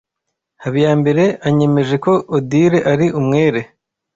Habiyambere anyemeje ko Odile ari umwere.